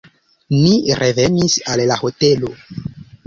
Ni revenis al la hotelo.